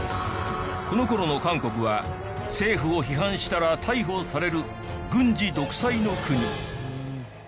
この頃の韓国は政府を批判したら逮捕される軍事独裁の国。